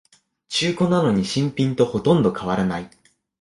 中古なのに新品とほとんど変わらない